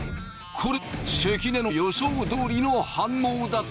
これ関根の予想どおりの反応だった。